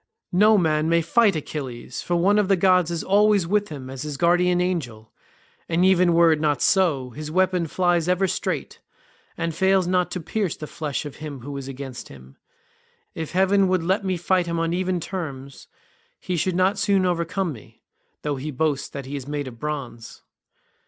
No man may fight Achilles, for one of the gods is always with him as his guardian angel, and even were it not so, his weapon flies ever straight, and fails not to pierce the flesh of him who is against him; if heaven would let me fight him on even terms he should not soon overcome me, though he boasts that he is made of bronze."